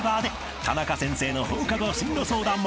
［タナカ先生の放課後進路相談も］